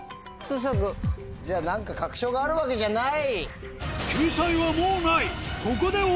じゃあ何か確証があるわけじゃない？